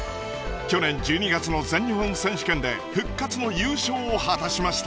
去年１２月の全日本選手権で復活の優勝を果たしました。